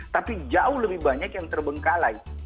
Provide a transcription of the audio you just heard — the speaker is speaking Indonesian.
tapi jauh lebih banyak yang terbengkalai